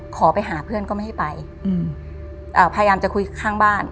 ขอไปหาเพื่อนก็ไม่ให้ไปพยายามจะคุยข้างบ้าน